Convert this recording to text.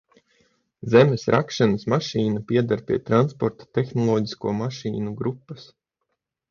Zemes rakšanas mašīna pieder pie transporta tehnoloģisko mašīnu grupas.